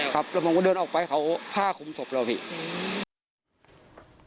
ครับแล้วผมก็เดินออกไปเขาผ้าคุมศพเราพี่